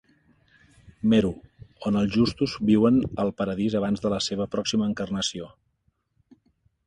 Meru, on els justos viuen al paradís abans de la seva pròxima encarnació.